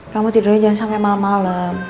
kamu tidurnya jangan sampe malem malem